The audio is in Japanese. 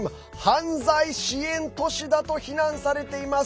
犯罪支援都市だと非難されています。